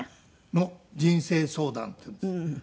『の人生相談』っていうんです。